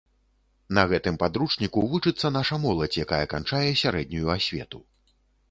На гэтым падручніку вучыцца наша моладзь, якая канчае сярэднюю асвету.